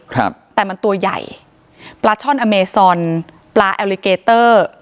ครับแต่มันตัวใหญ่ปลาช่อนอเมซอนปลาแอลลิเกเตอร์